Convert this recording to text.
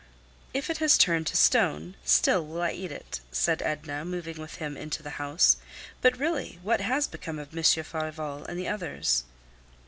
"If it has turned to stone, still will I eat it," said Edna, moving with him into the house. "But really, what has become of Monsieur Farival and the others?"